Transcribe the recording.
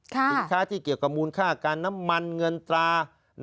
สินค้าที่เกี่ยวกับมูลค่าการน้ำมันเงินตรา